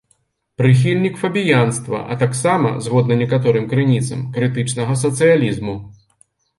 Прыхільнік фабіянства, а таксама, згодна некаторым крыніцам, крытычнага сацыялізму.